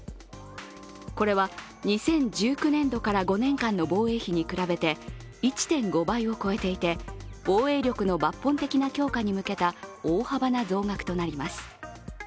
これは２０１９年度から５年間の防衛費に比べて１．５倍を超えていて防衛力の抜本的な強化に向けた大幅な増額となります。